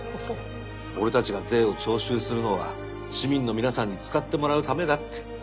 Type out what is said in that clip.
「俺たちが税を徴収するのは市民の皆さんに使ってもらうためだ」って。